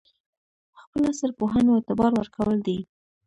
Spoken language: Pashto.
خپل عصر پوهنو اعتبار ورکول دي.